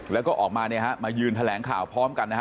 แล้วก็ออกมามายืนแถลงข่าวพร้อมกัน